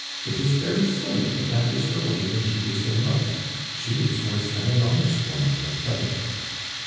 It is very silly, but that is her way when she is in love; she is worse than an honest woman, I tell you!